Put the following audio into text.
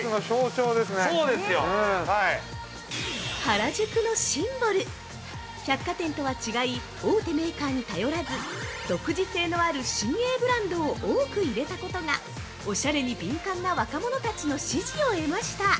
◆原宿のシンボル、百貨店とは違い大手メーカーに頼らず、独自性のある新鋭プランドを多く入れたことが、おしゃれに敏感な若者たちの支持を得ました。